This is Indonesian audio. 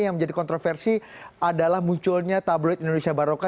yang menjadi kontroversi adalah munculnya tabloid indonesia baroka